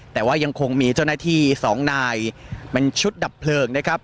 แต่ว่ายังคงมีเจ้าหน้าที่สองนายเป็นชุดดับเพลิงนะครับ